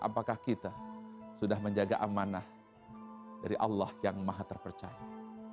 apakah kita sudah menjaga amanah dari allah yang maha terpercaya